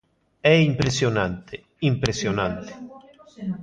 É impresionante, impresionante.